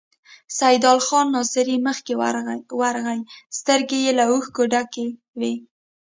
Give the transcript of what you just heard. سيدال خان ناصري مخکې ورغی، سترګې يې له اوښکو ډکې وې.